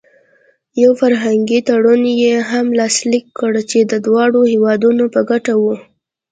یو فرهنګي تړون یې هم لاسلیک کړ چې د دواړو هېوادونو په ګټه و.